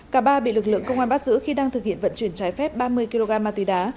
cả ba bị lực lượng công an bắt giữ khi đang thực hiện vận chuyển trái phép ba mươi kg ma túy đá